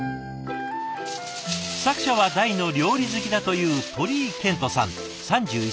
作者は大の料理好きだという鳥居健人さん３１歳。